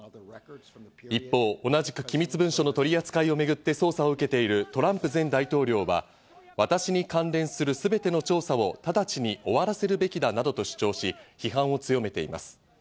一方、同じく機密文書の取り扱いをめぐって捜査を受けているトランプ前大統領は私に関連するすべての調査を直ちに終わらせるべきだなどと主張し、批判を強めています。